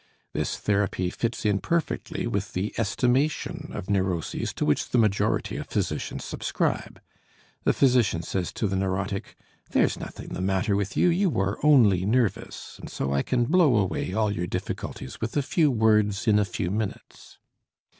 This therapy fits in perfectly with the estimation of neuroses to which the majority of physicians subscribe. The physician says to the neurotic, "There is nothing the matter with you; you are only nervous, and so I can blow away all your difficulties with a few words in a few minutes."